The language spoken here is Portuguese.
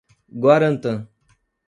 Guarantã